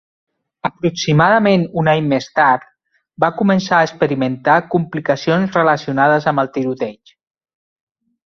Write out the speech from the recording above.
Aproximadament un any més tard, va començar a experimentar complicacions relacionades amb el tiroteig.